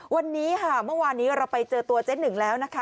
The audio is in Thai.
วันนี้ค่ะเมื่อวานนี้เราไปเจอตัวเจ๊หนึ่งแล้วนะคะ